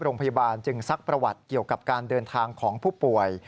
โรงพยาบาลจึงซักประวัติเกี่ยวกับการเดินทางของผู้ป่วย